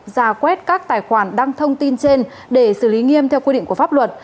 giả quét các tài khoản đăng thông tin trên để xử lý nghiêm theo quy định của pháp luật